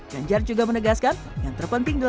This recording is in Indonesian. ganjar juga menegaskan